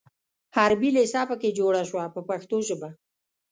حربي لېسه په کې جوړه شوه په پښتو ژبه.